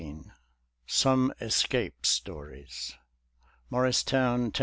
XIX SOME "escape" stories M'OEEISTOWN, Tenn.